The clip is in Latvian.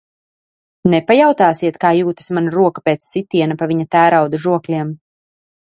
Nepajautāsiet, kā jūtas mana roka pēc sitiena pa viņa tērauda žokļiem?